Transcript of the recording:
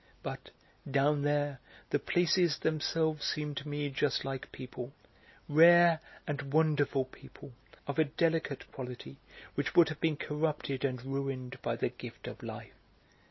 But, down there, the places themselves seem to me just like people, rare and wonderful people, of a delicate quality which would have been corrupted and ruined by the gift of life.